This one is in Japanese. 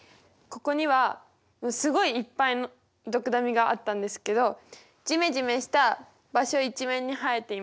ここにはすごいいっぱいドクダミがあったんですけどじめじめした場所一面に生えていました。